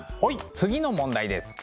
次の問題です。